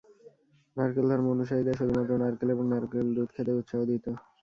নারকেল ধর্ম অনুসারীদের শুধুমাত্র নারকেল এবং নারকেল দুধ খেতে উৎসাহ দিতো।